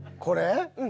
これ？